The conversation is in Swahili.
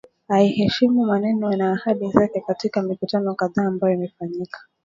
aiheshimu maneno na ahadi zake katika mikutano kadhaa ambayo imefanyika